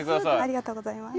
ありがとうございます。